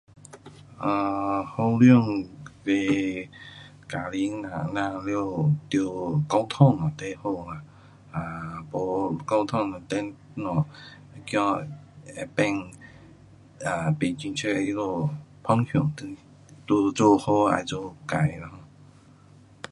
um 校长跟家庭这样得沟通较好，没沟通等下儿会变不清楚他们的方向去，得做好还做坏咯。